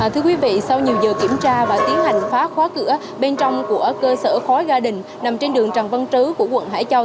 thưa quý vị sau nhiều giờ kiểm tra và tiến hành phá khóa cửa bên trong của cơ sở khói gia đình nằm trên đường trần văn trứ của quận hải châu